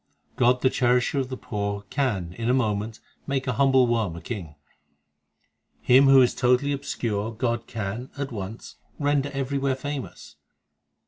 4 God the cherisher of the poor Can in a moment make a humble worm a king ; Him who is totally obscure God can at once render everywhere famous.